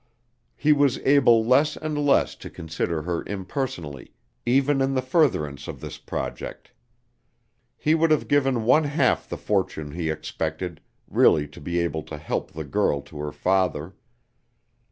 He was able less and less to consider her impersonally even in the furtherance of this project. He would have given one half the fortune he expected, really to be able to help the girl to her father.